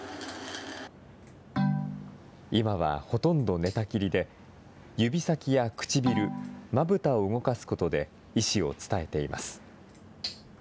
今はほとんど寝たきりで、指先やくちびる、まぶたを動かすことで意志を伝えています。